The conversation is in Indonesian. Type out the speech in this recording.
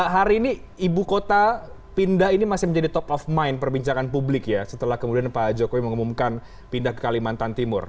hari ini ibu kota pindah ini masih menjadi top of mind perbincangan publik ya setelah kemudian pak jokowi mengumumkan pindah ke kalimantan timur